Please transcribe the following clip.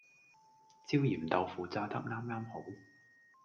焦鹽豆腐炸得啱啱好